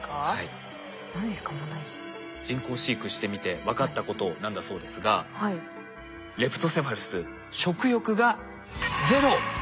人工飼育してみて分かったことなんだそうですがレプトセファルス食欲がＺＥＲＯ。